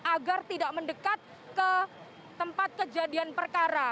agar tidak mendekat ke tempat kejadian perkara